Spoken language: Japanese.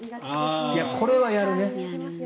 これはやるね。